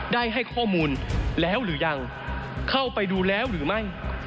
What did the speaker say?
ได้ให้ข้อมูลแล้วหรือยังเข้าไปดูแล้วหรือไม่